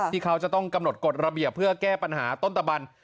ที่เขาจะต้องกำหนดกฎระเบียบเพื่อแก้ปัญหาต้นตะบัน